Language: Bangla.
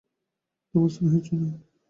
তোমার স্নেহের চুনি।